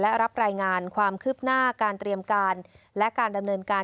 และรับรายงานความคืบหน้าการเตรียมการและการดำเนินการ